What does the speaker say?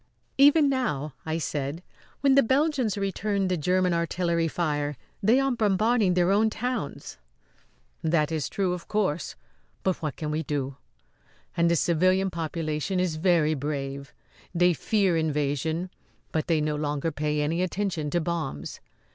"Even now," I said, "when the Belgians return the Grerman artillery fire they are bombarding their own towns." "That is true, of course; but what can we do? And the civilian population is very brave. They fear invasion, but they no longer pay any attention to bombs.